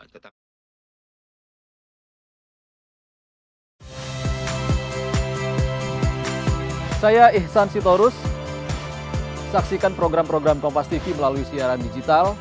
saya ihsan sitorus saksikan program program kompas tv melalui siaran digital